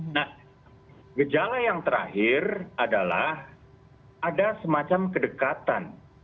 nah gejala yang terakhir adalah ada semacam kedekatan